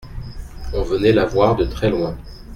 On venait la voir de très-loin.